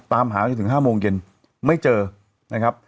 ตามหาไปจนถึง๕โมงเย็นไม่เจอนะครับ